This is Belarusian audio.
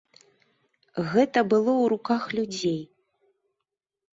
Гэта было ў руках людзей.